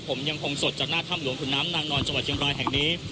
ผมยังคงสดจากหน้าถ้ำหลวงขุนน้ำนางนอนจังหวัดเชียงบรายแห่งนี้